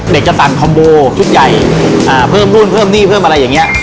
จะสั่งคอมโบชุดใหญ่เพิ่มนู่นเพิ่มหนี้เพิ่มอะไรอย่างนี้